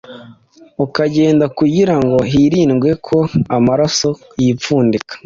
ukagenda kugirango hirindwe ko amaraso yipfundika.